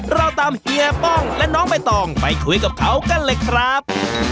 เราตามเฮียป้องและน้องใบตองไปคุยกับเขากันเลยครับ